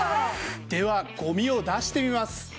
ではゴミを出してみます。